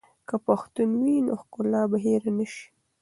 که پښتو وي، نو ښکلا به هېر نه سي.